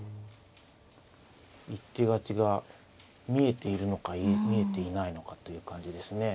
一手勝ちが見えているのか見えていないのかという感じですね。